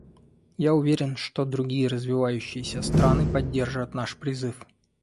Я уверен, что другие развивающиеся страны поддержат наш призыв.